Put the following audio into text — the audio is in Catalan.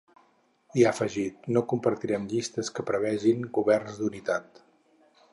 I ha afegit: No compartirem llistes que prevegin governs d’unitat.